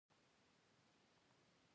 د بدن پر ټولو حجرو باندې اغیزه کوي.